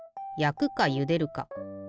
やくかゆでるか。